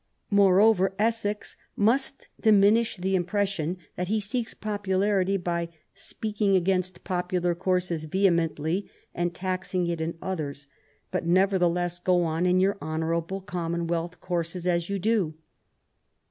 Moreover, Essex must diminish the impres sion that he seeks popularity, by " speaking against popular courses vehemently, and taxing it in others, but nevertheless go on in your honourable common wealth courses as you do '*.